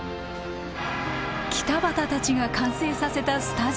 北畑たちが完成させたスタジアム。